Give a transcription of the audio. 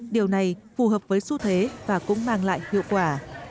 điều này phù hợp với xu thế và cũng mang lại hiệu quả